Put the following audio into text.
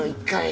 １回。